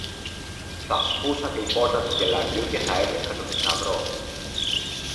θα σπούσα την πόρτα του κελαριού και θα έβρισκα το θησαυρό